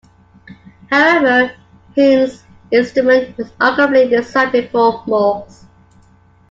However, his instrument was arguably designed before Moog's.